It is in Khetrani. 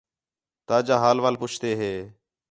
تاجا حال وال پُچھتے ہے